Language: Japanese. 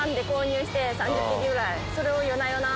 それを夜な夜な。